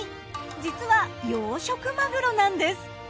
実は養殖マグロなんです。